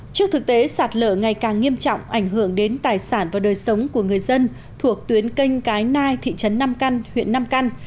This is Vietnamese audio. trước thực tế sạt lở ngày càng nghiêm trọng ảnh hưởng đến tài sản và đời sống của người dân thuộc tuyến canh cái nai thị trấn nam căn huyện nam căn